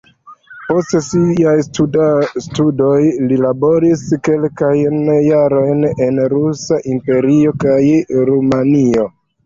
Post siaj studoj li laboris kelkajn jarojn en Rusa Imperio kaj Rumanio.